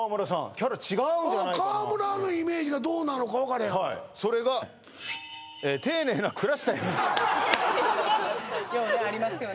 キャラ違うんじゃないかな川村のイメージがどうなのか分かれへんそれがようねありますよね